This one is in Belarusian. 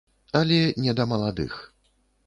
Але не да маладых.